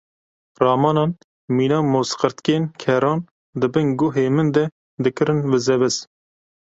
Ramanan mîna mozqirtkên keran di bin guhê min de dikirin vize viz.